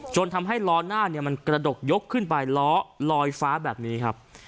จนทำให้ล้อหน้ามันกระดกยกขึ้นไปล้อลอยฟ้าแบบนี้ครับ